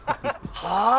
はあ？